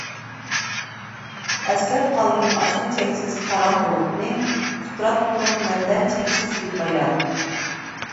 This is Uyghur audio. ئەسلەپ قالدىم ئاشۇ چەكسىز قاراڭغۇلۇقنى، قۇتراتقۇلۇق مەندە چەكسىز بىپايان.